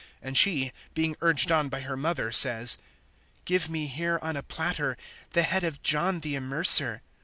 (8)And she, being urged on by her mother, says: Give me here, on a platter, the head of John the Immerser.